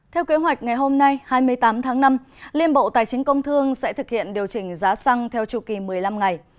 theo kế hoạch ngày hôm nay hai mươi tám tháng năm liên bộ tài chính công thương sẽ thực hiện điều chỉnh giá xăng theo chủ kỳ một mươi năm ngày